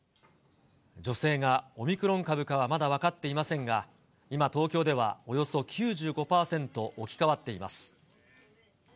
女性がオミクロン株かはまだ分かっていませんが、今、東京ではおよそ９５％置き換わっています。